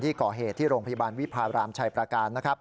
ที่ก่อเหตุที่โรงพยาบาลวิพารามชัยประการ